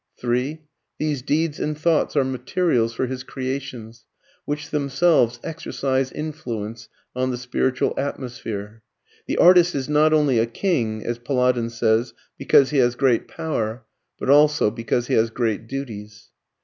(3) These deeds and thoughts are materials for his creations, which themselves exercise influence on the spiritual atmosphere. The artist is not only a king, as Peladan says, because he has great power, but also because he has great duties.